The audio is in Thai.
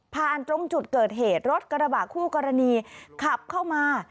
ตรงจุดเกิดเหตุรถกระบะคู่กรณีขับเข้ามา